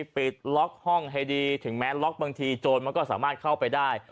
ปิดล็อกห้องให้ดีถึงแม้ล็อกบางทีโจรมันก็สามารถเข้าไปได้